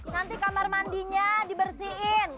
nanti kamar mandinya dibersihin